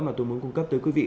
mà tôi muốn cung cấp tới quý vị